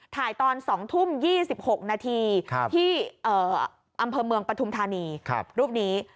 ถ่ายตอน๒ทุ่ม๒๖นาทีที่อ่ำเพลิงประทุมธานีรูปนี้